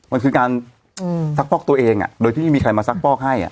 มันคือการซักฟอกตัวเองโดยที่ไม่มีใครมาซักฟอกให้